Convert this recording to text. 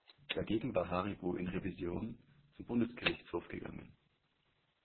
Dagegen war Haribo in Revision zum Bundesgerichtshof gegangen.